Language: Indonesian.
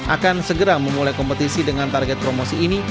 akan segera memulai kompetisi dengan target promosi ini